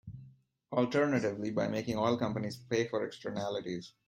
Alternatively, by making oil companies pay for externalities.